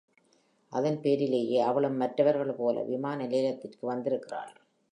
அதன் பேரிலேயே அவளும், மற்றவர்கள் போல விமான நிலையத்திற்கு வந்திருக்கிறாள்.